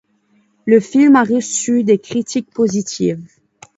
Le film a reçu des critiques positives.